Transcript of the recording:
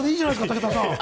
武田さん。